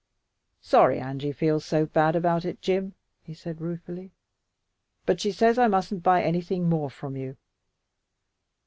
"Sorry Angy feels so bad about it, Jim," he said ruefully, "but she says I mustn't buy anything more of you."